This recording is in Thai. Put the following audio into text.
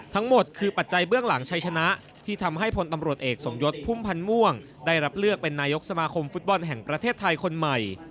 ทั้งหมดคือปัจจัยเบื้องหลังชัยชนะที่ทำให้พลตำรวจเอกสมยศพุ่มพันธ์ม่วงได้รับเลือกเป็นนายกสมาคมฟุตบอลแห่งประเทศไทยคนใหม่